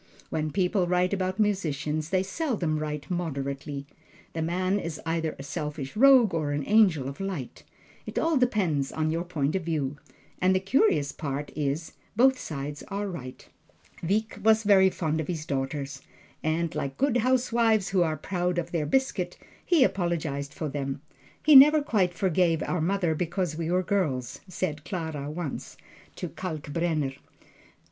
When people write about musicians, they seldom write moderately. The man is either a selfish rogue or an angel of light it all depends upon your point of view. And the curious part is, both sides are right. Wieck was very fond of his daughters, and like good housewives who are proud of their biscuit, he apologized for them. "He never quite forgave our mother because we were girls," said Clara once, to Kalkbrenner.